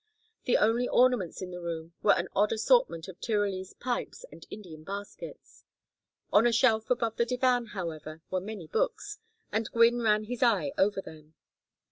The only ornaments in the room were an odd assortment of Tyrolese pipes and Indian baskets. On a shelf above the divan, however, were many books, and Gwynne ran his eye over them.